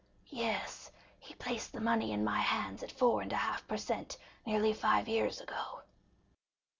"Yes; he placed the money in my hands at four and a half per cent nearly five years ago."